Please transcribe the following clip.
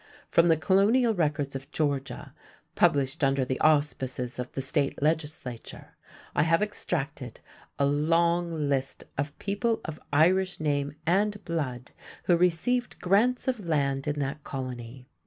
From the Colonial Records of Georgia, published under the auspices of the State Legislature, I have extracted a long list of people of Irish name and blood who received grants of land in that colony.